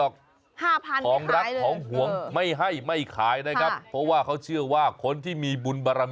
ของรักของหวงไม่ให้ไม่ขายนะครับ